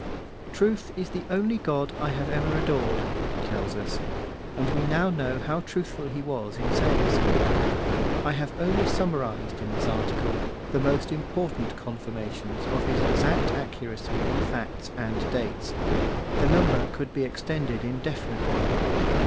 'Truth is the only God I have ever adored,' he tells us: and we now know how truthful he was in saying so. I have only summarised in this article the most important confirmations of his exact accuracy in facts and dates; the number could be extended indefinitely.